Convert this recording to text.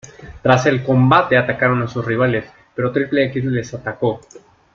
Tras el combate atacaron a sus rivales, pero Triple X les atacó.